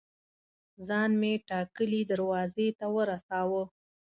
ځان مې ټاکلي دروازې ته ورساوه.